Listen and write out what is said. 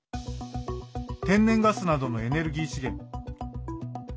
天然ガスなどのエネルギー資源。